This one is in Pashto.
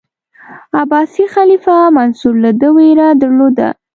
عباسي خلیفه منصور له ده ویره درلوده.